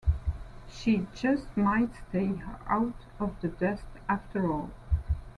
She just might stay out of the dust after all.